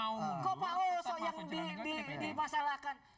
kok pak wayoso yang dimasalahkan